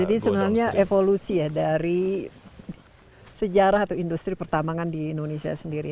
jadi sebenarnya evolusi ya dari sejarah atau industri pertambangan di indonesia sendiri